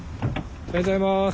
おはようございます。